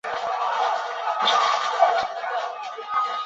席尔特贝格是德国巴伐利亚州的一个市镇。